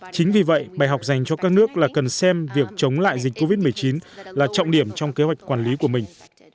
chính vì vậy bài học dành cho các nước là cần xem việc chống lại dịch covid một mươi chín là trọng điểm trong kế hoạch quản lý của mình